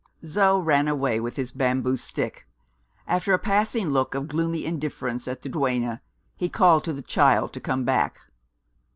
Zo ran away with his bamboo stick. After a passing look of gloomy indifference at the duenna, he called to the child to come back.